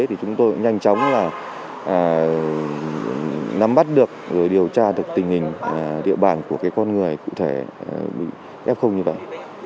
thì chúng tôi nhanh chóng nắm bắt được rồi điều tra được tình hình địa bàn của con người cụ thể f như vậy